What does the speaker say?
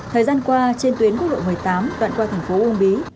thời gian qua trên tuyến quốc lộ một mươi tám đoạn qua thành phố uông bí